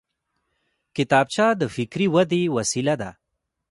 کتابچه د فکري ودې وسیله ده